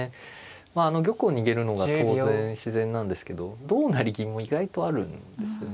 まあ玉を逃げるのが当然自然なんですけど同成銀も意外とあるんですね。